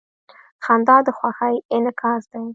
• خندا د خوښۍ انعکاس دی.